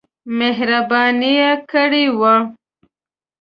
مهرباني کړې وه.